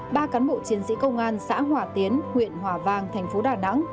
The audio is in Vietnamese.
ba cán bộ chiến sĩ công an xã hòa tiến huyện hòa vang thành phố đà nẵng